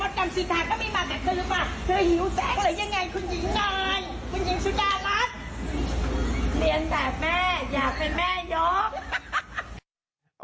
วันนี้มาออกรายการมดกรรมสิทาก็ไม่มากับเธอหรือเปล่า